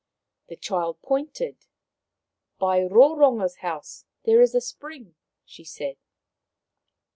" The child pointed. " By Roronga's house there is a spring," she said.